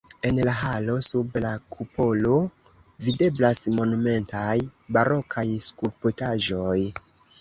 En la halo sub la kupolo videblas monumentaj barokaj skulptaĵoj.